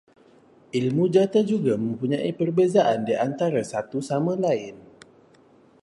Ilmu jata juga mempunyai perbezaan di antara satu sama lain